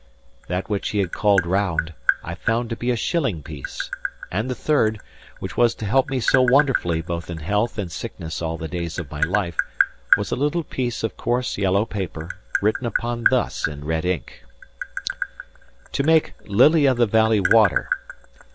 That which he had called round, I found to be a shilling piece; and the third, which was to help me so wonderfully both in health and sickness all the days of my life, was a little piece of coarse yellow paper, written upon thus in red ink: "TO MAKE LILLY OF THE VALLEY WATER.